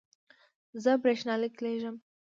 زه برېښنالیک لیږم